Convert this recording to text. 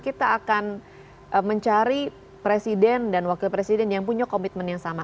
kita akan mencari presiden dan wakil presiden yang punya komitmen yang sama